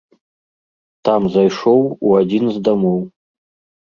Там зайшоў у адзін з дамоў.